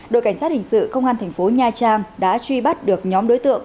đội cảnh sát hình sự công an tp hcm đã truy bắt được nhóm đối tượng